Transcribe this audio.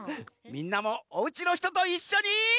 みんなもおうちのひとといっしょに。